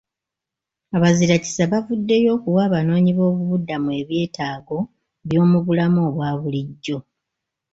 Abazirakisa bavuddeyo okuwa abanoonyiboobubudamu ebyetaago by'omu bulamu obwa bulijjo.